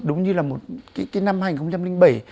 đúng như là một cái năm hành năm trăm linh bảy